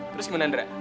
terus gimana indra